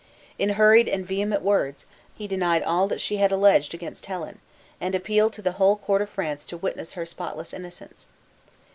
In hurried and vehement words, he denied all that she had alleged against Helen, and appealed to the whole court of France to witness her spotless innocence.